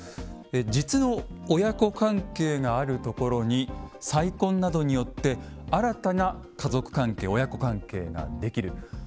実の親子関係があるところに再婚などによって新たな家族関係親子関係ができる。